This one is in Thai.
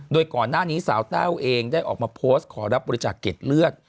โดยก่อนหน้านี้สาวแต้วเองได้ออกมาโพสต์ขอรับบริจาคเก็ดเลือด